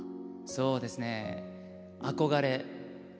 そうですねえ